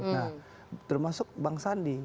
nah termasuk bang sandi